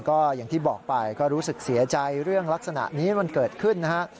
ก็อย่างที่บอกไปก็รู้สึกเสียใจเรื่องลักษณะนี้มันเกิดขึ้นนะฮะ